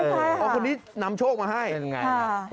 เพราะคนนี้นำโชคมาให้